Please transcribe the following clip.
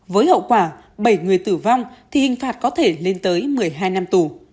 với hậu quả bảy người tử vong thì hình phạt có thể lên tới một mươi hai năm tù